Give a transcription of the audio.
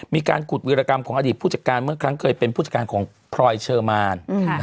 มีการขุดวิรกรรมของอดีตผู้จัดการเมื่อครั้งเคยเป็นผู้จัดการของพลอยเชอร์มาน